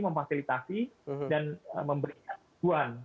memfasilitasi dan memberikan tuan